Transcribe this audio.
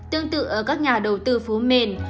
tương tự ở các nhà đầu tư phố mền